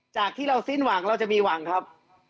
จากที่เราสิ้นหวังเราจะมีหวังครับ